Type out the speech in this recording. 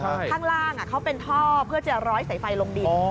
ข้างล่างเป็นท่อเพื่อจะร้อยไฟส้นลงดิน